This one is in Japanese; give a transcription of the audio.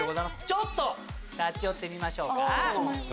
ちょっと立ち寄ってみましょう。